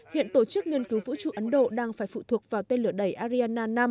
hiện tổ chức nghiên cứu vũ trụ ấn độ đang phải phụ thuộc vào tên lửa đẩy ariana nam